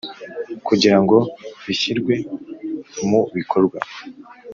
kugira ngo bishyirwe mu bikorwa